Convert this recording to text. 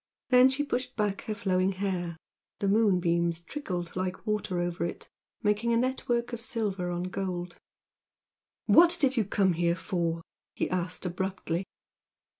Then she pushed back her flowing hair, the moonbeams trickled like water over it, making a network of silver on gold. "What did you come here for?" he asked, abruptly.